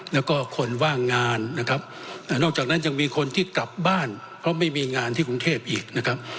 แล้วก็คนว่างงานนะครับนอกจากนั้นยังมีคนที่กลับบ้านเพราะไม่มีงานที่กรุงเทพอีกนะครับ